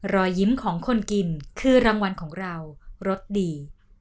รอยยิ้มของคนกินคือรางวัลของเรารสดี